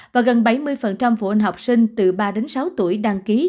và gần bảy mươi phụ huynh học sinh từ ba đến sáu tuổi đăng ký